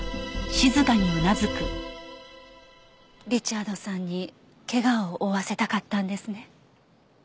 リチャードさんに怪我を負わせたかったんですね。